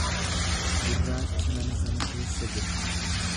Gurraachi mana sana keessa jira.